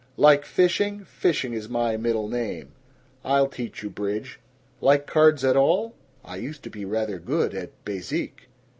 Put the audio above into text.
"Like fishing? Fishing is my middle name. I'll teach you bridge. Like cards at all?" "I used to be rather good at bezique."